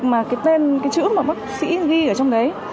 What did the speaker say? mà cái tên cái chữ mà bác sĩ ghi ở trong đấy